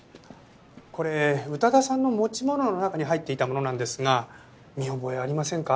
これ宇多田さんの持ち物の中に入っていたものなんですが見覚えありませんか？